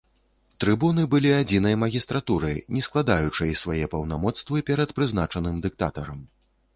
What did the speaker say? Трыбуны былі адзінай магістратурай, не складаючай свае паўнамоцтвы перад прызначаным дыктатарам.